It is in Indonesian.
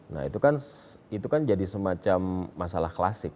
nah itu kan jadi semacam masalah klasik